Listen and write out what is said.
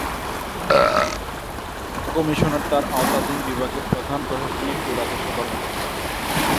Commissioner তার আওতাধীন বিভাগের প্রধান প্রশাসনিক ও রাজস্ব কর্মকর্তা।